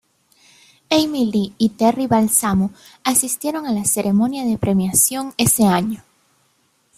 Amy Lee y Terry Balsamo asistieron a la ceremonia de premiación ese año.